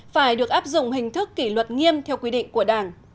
phải được áp dụng hình thức kỷ luật nghiêm theo quy định của đảng